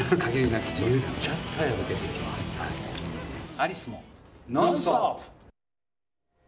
アリスも「ノンストップ！」。